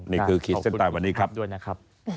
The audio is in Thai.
นี่คือขีดเส้นใต้วันนี้ครับ